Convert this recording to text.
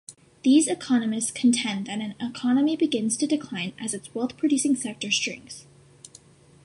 These economists contend that an economy begins to decline as its wealth-producing sector shrinks.